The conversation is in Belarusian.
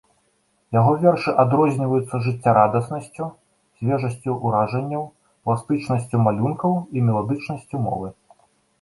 Яго вершы адрозніваюцца жыццярадаснасцю, свежасцю уражанняў, пластычнасцю малюнкаў і меладычнасцю мовы.